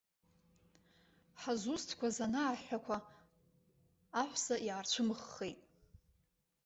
Ҳазусҭқәаз анаҳҳәақәа аҳәса иаарцәымыӷхеит.